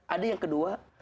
ada yang kedua